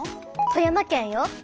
富山県よ。